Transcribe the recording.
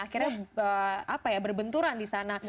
akhirnya apa ya berbenturan disana